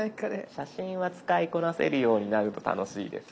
写真は使いこなせるようになると楽しいです。